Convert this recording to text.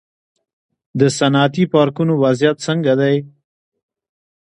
د صنعتي پارکونو وضعیت څنګه دی؟